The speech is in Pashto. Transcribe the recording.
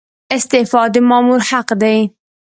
استعفا د مامور حق دی